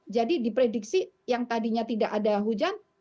jadi diprediksi yang tadinya tidak ada hujan bisa saja tiba tiba menurun